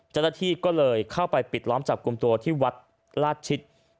เจ้าหน้าที่ก็เลยเข้าไปปิดล้อมจับกลุ่มตัวที่วัดราชชิต